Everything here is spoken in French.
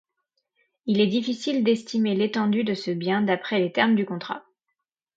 Il est difficile d’estimer l'étendue de ce bien d'après les termes du contrat.